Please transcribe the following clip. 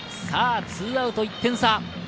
２アウト１点差。